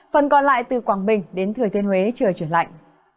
phần còn lại từ quảng bình đến thừa thiên huế trời chuyển lạnh